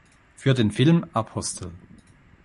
Für den Film "Apostel!